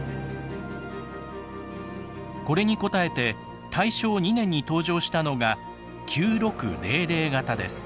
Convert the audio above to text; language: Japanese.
これに応えて大正２年に登場したのが９６００形です。